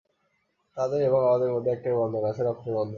তাদের এবং আমাদের মধ্যে একটাই বন্ধন আছে, রক্তের বন্ধন।